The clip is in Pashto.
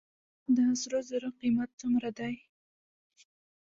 د سرو زرو قیمت څومره دی؟